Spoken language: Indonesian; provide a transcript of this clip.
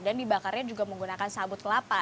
dan dibakarnya juga menggunakan sabut kelapa